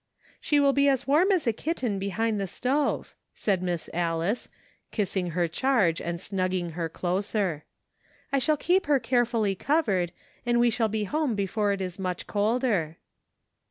"She will be as warm as a kitten behind tlie stove," said Miss Alice, kissing her charge and snugging her closer. "I shall keep her care fully covered, and we shall be home before it is much colder."